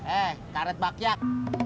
eh karet bakyak